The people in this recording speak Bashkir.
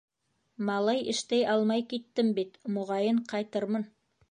Малай эштәй алмай киттем бит, моғайын ҡайтырмын.